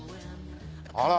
あら。